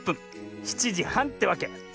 ７じはんってわけ。